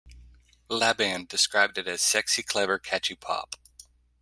Laban described it as "sexy, clever, catchy pop".